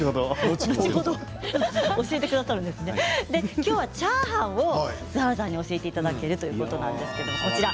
きょうはチャーハンを教えていただけるということですね。